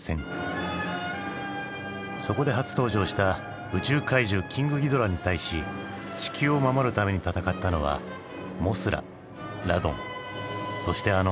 そこで初登場した宇宙怪獣キングギドラに対し地球を守るために戦ったのはモスララドンそしてあのゴジラだった。